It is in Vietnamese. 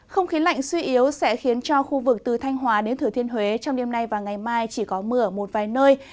không khí lạnh suy yếu sẽ khiến cho khu vực từ thanh hóa đến thừa thiên huế trong đêm nay và ngày mai chỉ có mưa ở một vài nơi